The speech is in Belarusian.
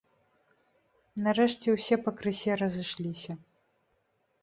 Нарэшце, усе пакрысе разышліся.